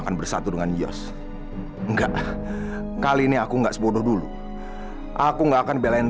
akan bersatu dengan yos enggak kali ini aku enggak sebodoh dulu aku enggak akan belain